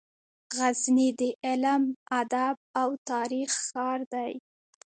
غزني د علم، ادب او تاریخ ښار دی.